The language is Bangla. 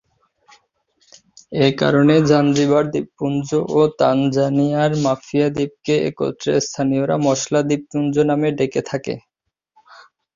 এ কারণে জাঞ্জিবার দ্বীপপুঞ্জ ও তানজানিয়ার মাফিয়া দ্বীপকে একত্রে স্থানীয়রা মসলা দ্বীপপুঞ্জ নামে ডেকে থাকে।